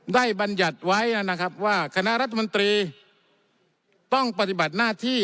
บรรยัติไว้นะครับว่าคณะรัฐมนตรีต้องปฏิบัติหน้าที่